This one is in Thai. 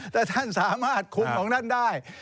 ถ้าท่านสามารถคุมของท่านได้